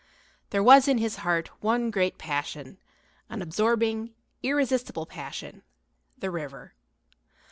There was in his heart one great passion, an absorbing, irresistible passion the river.